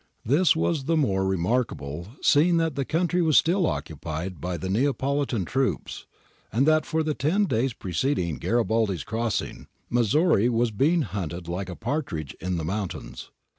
This was the more re markable seeing that the country was still occupied by the Neapolitan troops, and that for the ten days preced ing Garibaldi's crossing, Missori was being hunted like a partridge in the mountains.